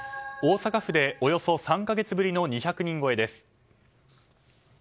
大阪府でおよそ３か月ぶりの２００人超えです。